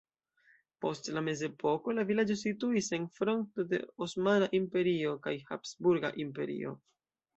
Post la mezepoko la vilaĝo situis en fronto de Osmana Imperio kaj Habsburga Imperio.